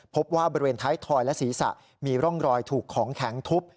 พบว่าบริเวณท้ายถอยและศีรษะมีร่องรอยถูกของแข็งทุบ